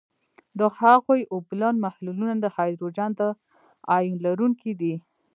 د هغوي اوبلن محلولونه د هایدروجن د آیون لرونکي دي.